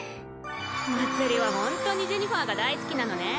まつりはホントにジェニファーが大好きなのね！